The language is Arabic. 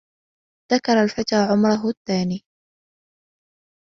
ذكر الفتى عمره الثاني